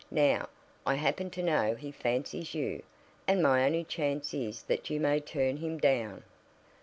Now, I happen to know he fancies you, and my only chance is that you may turn him down."